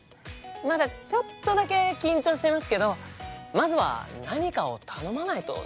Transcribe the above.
まだちょっとだけ緊張してますけどまずは何かを頼まないとですよね。